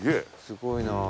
すごいなあ。